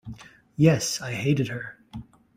Yes, I hated her.